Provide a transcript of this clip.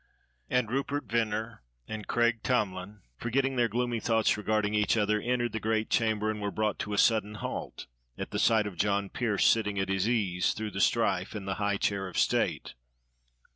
And Rupert Vernier and Craik Tomlin, forgetting their gloomy thoughts regarding each other, entered the great chamber, and were brought to a sudden halt at the sight of John Pearse sitting at his ease through the strife in the high chair of state.